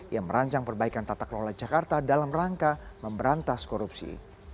yang merancang perbaikan tata kelola jakarta dalam rangka memberantas korupsi